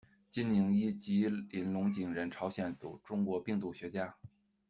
金宁一，吉林龙井人，朝鲜族，中国病毒学家。